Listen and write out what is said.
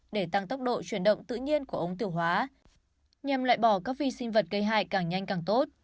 để tăng tốc độ chuyển động tự nhiên của ống tiêu hóa nhằm loại bỏ các vi sinh vật gây hại càng nhanh càng tốt